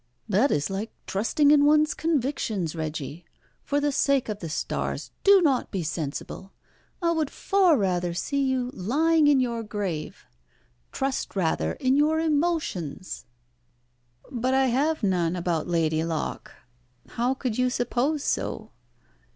"That is like trusting in one's convictions, Reggie. For the sake of the stars do not be sensible. I would far rather see you lying in your grave. Trust rather in your emotions." "But I have none about Lady Locke. How could you suppose so?"